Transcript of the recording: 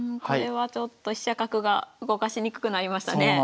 これはちょっと飛車角が動かしにくくなりましたね。